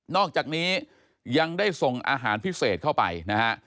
อกจากนี้ยังได้ส่งอาหารพิเศษเข้าไปนะฮะ